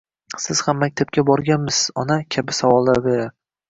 Siz ham maktabga borganmisiz, ona? — kabi savollar berar.